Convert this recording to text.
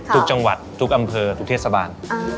ทุกจังหวัดทุกอำเภอทุกเทศบาล